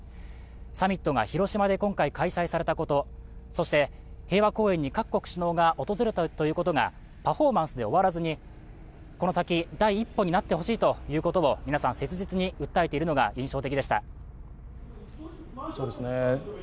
サミットが広島で今回、開催されたこと、そして平和公園に各国首脳が訪れたということがパフォーマンスで終わらずにこの先、第一歩になってほしいということを皆さん切実に訴えているのが印象的でした。